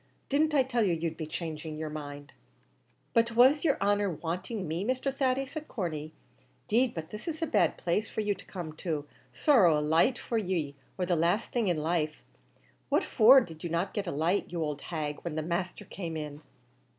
Didn't I tell you you'd be changing your mind?" "But was yer honer wanting me, Mr. Thady," said Corney; "'deed but this is a bad place for you to come to; sorrow a light for ye or the laste thing in life; what for did you not get a light, you ould hag, when the masther came in?"